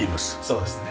そうですね。